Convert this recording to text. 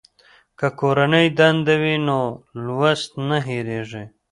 که کورنۍ دنده وي نو لوست نه هېریږي.